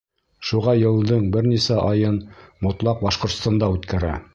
Шуға йылдың бер нисә айын мотлаҡ Башҡортостанда үткәрә.